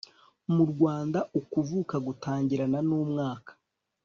mu rwanda, ukuvuka gutangirana n'umwaka